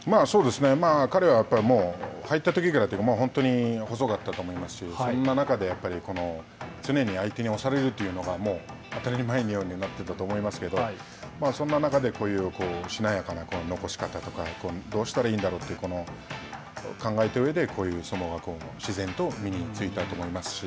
彼はやっぱり、入ったときからというか、本当に細かったと思いますし、そんな中で、やっぱり常に相手に押されるというのが当たり前のようになっていたと思いますけど、そんな中で、こういうしなやかな残し方とか、どうしたらいいんだろうと考えたうえで、こういう相撲が自然と身についたと思いますし。